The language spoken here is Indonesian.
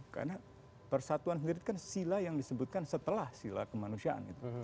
karena persatuan sendiri kan sila yang disebutkan setelah sila kemanusiaan